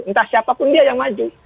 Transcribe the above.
entah siapapun dia yang maju